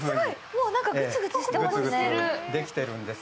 もうグツグツしてますね。